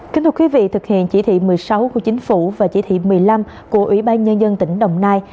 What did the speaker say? kính thưa quý vị thực hiện chỉ thị một mươi sáu của chính phủ và chỉ thị một mươi năm của ủy ban nhân dân tỉnh đồng nai